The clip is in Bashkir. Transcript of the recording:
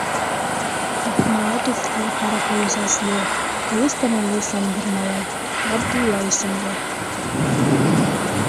Ыҫмала төҫлө ҡара ҡуйы сәсле, ҡылыс танаулы сандыр малай Ғабдулла исемле.